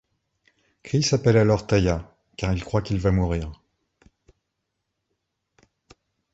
Chris appelle alors Taya, car il croit qu'il va mourir.